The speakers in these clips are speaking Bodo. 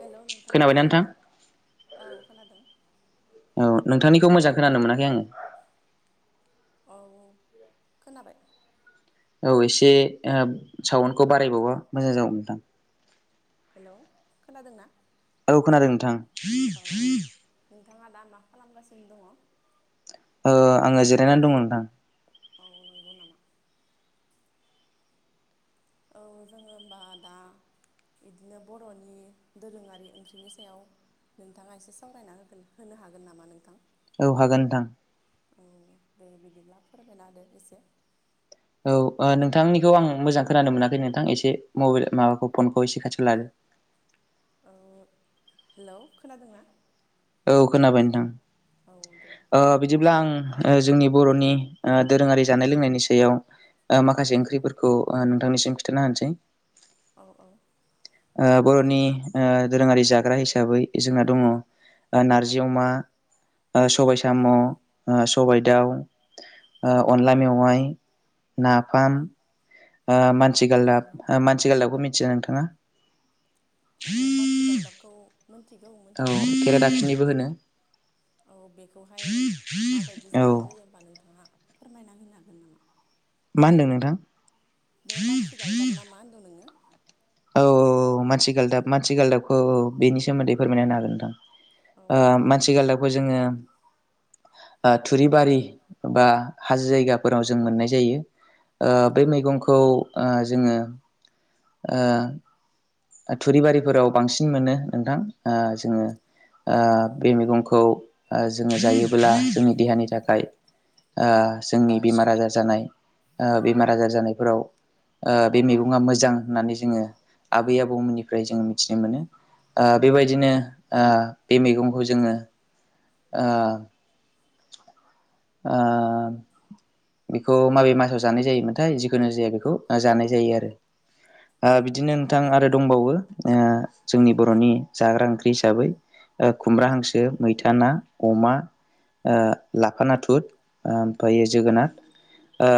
हेल' नोंथां खोनादोंना औ खोनादों औ नोंथांनिखौ मोजां खोनानो मोनाखै आङो औ खोनाबाय औ एसे साउन्डखौ बारायबावबा मोजां जागौमोन नोंथां हेलौ खोनादों ना औ खोनादों नोंथां नोंथाङा दा मा खालामगासिनो दङ ओ आङो जिरायनानै दङ नोंथां औ नंगौ नामा औ जोङो होमबा दा बिदिनो बर'नि दोरोङारि ओंख्रिनि सायाव नोंथाङा एसे सावरायना होगोन होनो हागोन नामा नोंथां? औ हागोन नोंथां औ दे बिदिब्ला फोरमायनादो इसे‌। औ ओ नोंथांनिखौ आं मोजां खोनानो मोनाखै नोंथां एसे मबेल माबाखौ फनखौ एसे खाथियाव लादो। औ हेलौ खोनादोंना? औ खोनाबाय नोंथां औ दे ओ बिदिब्ला आं ओ जोंनि बर'नि ओ दोरोङारि जानाय लोंनायनि सायाव ओ माखासे ओंख्रिफोरखौ ओ नोंथांनिसिम खिथाना होनोसै औ औ। ओ बर'नि ओ दोरोङारि जाग्रा हिसाबै जोंना दङ ओ नारजि अमा ओ औ सबाय साम'। सबाय दाउ ओ अनला मेवाइ, नाफाम। ओ मानसि औ गालदाब नंगौ ओ मानसि गालदाबखौ मिथिया नोंथाङा? औ माथि गालदाबखौ। औ केरेडााखिनिबो होनो। औ बेखौहाय माबायदि औ जानाय जायो बा नोंथाङा? फोरमायना होनो हागोन नामा? मा होनदों नोंथां? बे माथि गालदाम ना मा होनदों नोङो? औ औ औ मानसि औ औ गालदाब बे मानसि गालदाबखौ औ बेनि सोमोन्दै फोरमायनो हागोन नोंथां। औ ओ मानसि गालदाबखौ जोङो। ओ थुरिबारि बा हाजो जायगाफोराव जों मोननाय जायो। ओ बे औ मैगंखौ ओ जोङो ओ ओ थुरिबारिफोराव बांसिन मोनो नोंथां ओ जोङो। ओ औ बे नंगौ नामा मेगंखौ ओ जोङो जायो। ब्ला जोंनि देहानि थाखाय ओ जोंनि बेमार आजार जानाय। ओ बेमार आजार जानायफोराव ओ बे मेगङा मोजां होननानै जोङो आब बै आबौमोननिफ्राय जों मिथिनो मोनो। ओ बेबायदिनो ओ बे मैगंखौ जोङो ओ आ बेखौ माबे मासाव जानाय जायोमोनथाय जिखुनु जे बेखौ जानाय जायो आरो। ओ औ बिदिनो नंगौ नोंथां नामा आरो दंबावो ओ। जोंनि बर'नि जाग्रा ओंख्रि हिसाबै। ओ खुमब्रा हांसो, मैथा ना, अमा ओ लाफानाथुरुर ओ मफायो जोगोनार। ओ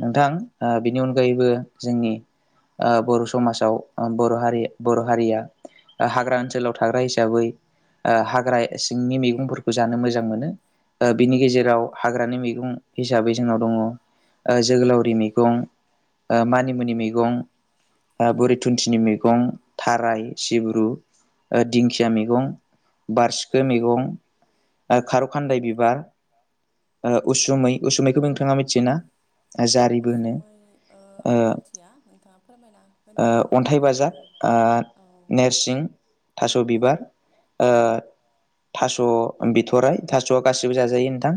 नोंथां ओ बिनि अनगायैबो जोंनि ओ बर' समाजाव ओ बर' हारि बर' हारिया हाग्रा ओनसोलाव थाग्रा हिसाबै ओ हाग्रा सिंनि मैगंफोरखौ जानो मोजां मोनो। बिनि गेजेराव हाग्रानि मैगं हिसाबै जोंनाव दङ ओ जोगोलावरि मेगं। ओ मानिमुनि मैगं ओ औ बोरि थुुनथिनि मैगं थाराय, सिब्रु। ओ दिंखिया मैगं, बारसिखो मैगं आ खारौ खान्दाय बिब ओ उसुमै उसुमैखौ नोंथाङा मिथियोना? जारिबो होनो उसुमै ओ आं मिथिया नोंथाङा फोरमायना ओ होनो हागोन नामा अन्थाइ बेनि बाजाब सोमोन्दै? ओ औ नोरसिं थास' औ बिबार ओ थास' बिथराय थास' गासिबो जाजायो नोंथां।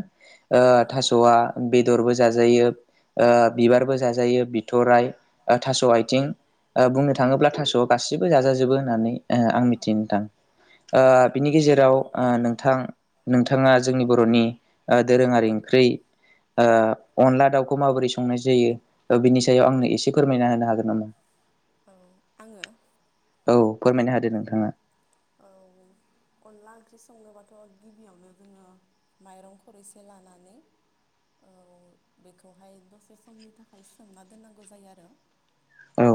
ओ औ थास'आ बे दरबो जाजायो ओ बिबारबो जाजायो बिथ'राइ, आ थास' आइथिं। ओ बुंनो थाङोब्ला थास'आ गासिबो जाजाजोबो होननानै ओ आं मिथियोनोंथां ओ बिनि नंगौ गेजेराव ओ नोंथां नोंथाङा जोंनि बर'नि ओ दोरोङारि ओंख्रि ओ अनला दाउखौ माबोरै संनाय जायो ओ बिनि सायाव आंनो इसे फोरमायना होनो हागोन नामा? औ आङो औ फोरमायनो हादो नोंथाङा। औ अनला ओंख्रि संनोबाथ' गिबियावनो जोङो माइरं खर एसे लानानै औ बेखौहाय दसे समनि थाखाय सोमना दोननांगौ जायो आरो औ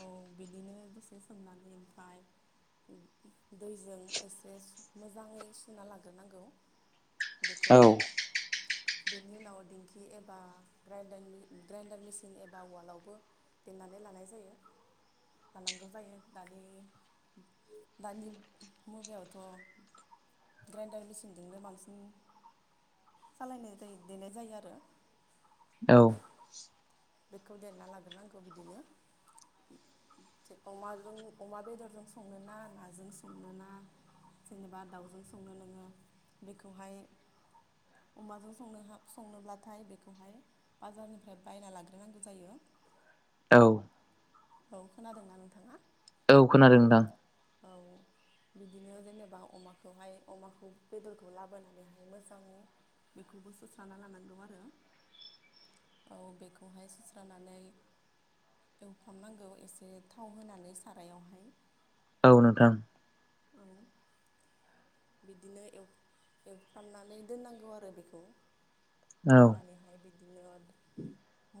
औ बिदिनो दसे सोमनानै ओमफ्राय दैजों एसे मोजाङै सुना लाग्रोनांगौ। औ बेखौहाय। बेनि उनाव दिंखि एबा ग्रडार ग्राइन्डार मेसिन एबा उवालावबो दोननानै लानाय जायो लानांगौ जायो दानि दानि मुगायावथ' ग्राइन्डार मेसिनजोंनो बांसिन सालायनाय जायो देनाय जायो आरो। औ। बेखौ देरना लाग्रोनांगौ बिदिनो। थि अमाजों अमा बेदरजों संनो ना नाजों संनो ना जेनेबा दाउजों संनो नोङो बेखौहाय अमाजों संनो संनोब्लाथाय बेखौहाय बाजारनिफ्राय बायना लागोन। नांगौ जायो। औ। औ खोनादोंना नोंथाङा? औ खोनादों नोंथां। औ। बिदिनो जेनेबा अमाखौहाय अमाखौ बेदरखौ लाबोनानैहाय मोजाङै बेखौबो सोस्रा लानांगौ आरो। औ बेखौहाय सुस्रानानै एवफ्रामनांगौ एसे थाव होनानै सारायावहाय औ नोंथां। औ। बिदिनो एवफ्रामनानै दोननांगौ आरो बेखौ औ दनानैहाय बिदिनो मस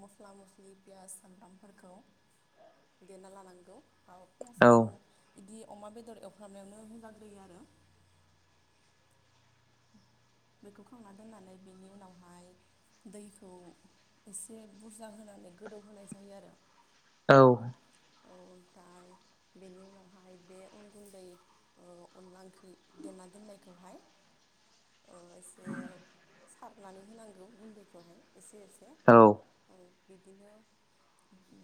मस्ला मस्लि पियास सामब्रामफोरखौ देरना लानांगौ। औ पियासखौ बिदि अमा बेदर एवफ्रामनायावनो होजाग्रोयो आरो। बेखौ खांना दोननानै बेनि उनावहाय दैखौ एसे बुरजा होनानै माने गोदौ होनोनाय जायो आरो। औ। औ ओमफ्राय बेनि उनावहाय बे उन गुन्दै अनला ओंख्रि देना दोननायखौहाय [inaudible] एसे सारनानै होनांगौ गुन्दैखौहाय एसे एसे औ औ बिदिनो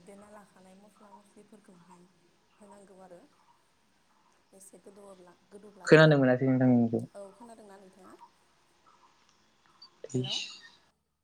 दा लाखानाय मस्ला मस्ला मस्लिफोरखौहाय होनांगौ आरो एसे गोदौवोब्ला। गोदौब्लाथाय खोनानो मोनासै नोंथांनिखौ औ खोनादोंना नोंथां? बिस हेल'